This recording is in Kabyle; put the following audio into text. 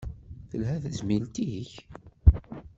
Telha tezmilt-ik?